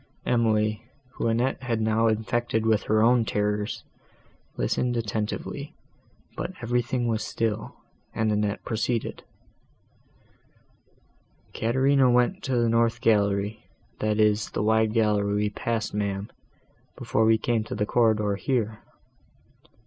Emily, whom Annette had now infected with her own terrors, listened attentively; but everything was still, and Annette proceeded: "Caterina went to the north gallery, that is the wide gallery we passed, ma'am, before we came to the corridor, here.